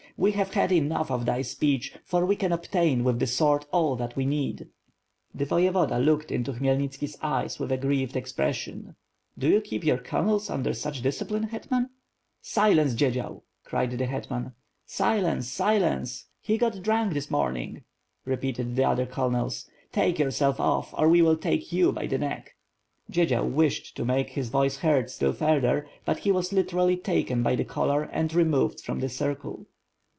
We have had enough of thy speech, for we can obtain with the sword all that we need/* The Voyevoda looked into Khmyelnitski's eyes with a grieved expression. Do you keep your colonels under such discipline^ het man." "Silence, Dziedzial/' cried the hetman. "Silence, silence! He got drunk this morning/' repeated the other colonels, "take yourself off or we will take you by the neck/* Dziedzial wished to make his Toice heard still further, but he was literally taken by the collar and removed from the circle.